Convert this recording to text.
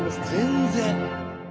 全然！